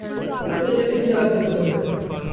উপরে যেতে নিচে লাফ দিতে হবে।